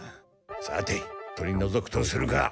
さて取りのぞくとするか。